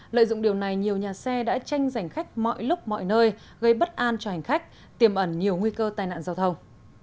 lợi dụng điều này nhiều nhà xe đã tranh giành khách mọi lúc mọi nơi gây bất an cho hành khách tiềm ẩn nhiều nguy cơ tai nạn giao thông